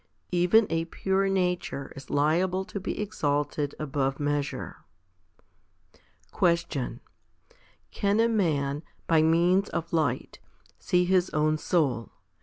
1 Even a pure nature is liable to be exalted above measure. 5. Question. Can a man, by means of light, see his own soul ?